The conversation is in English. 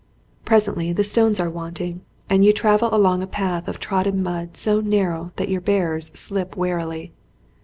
Presently the stones are wanting and you 85 ON A CHINESE SCEEEN travel along a path of trodden mud so narrow that your bearers step warily.